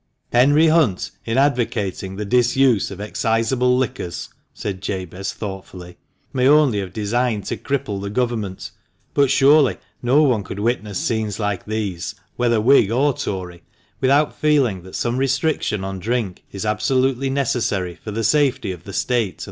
" Henry Hunt, in advocating the disuse of excisable liquors," said Jabez, thoughtfully, " may only have designed to cripple the Government ; but surely no one could witness scenes like these, whether Whig or Tory, without feeling that some restriction on drink is absolutely necessary for the safety of the State and